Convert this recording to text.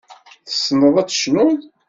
Tessneḍ ad tecnuḍ.